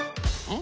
ん？